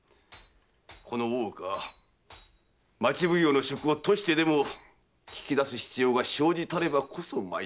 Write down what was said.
この大岡町奉行の職を賭してでも聞き出す必要が生じたればこそ参ったのだ。